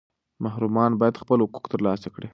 محرومان باید خپل حقوق ترلاسه کړي.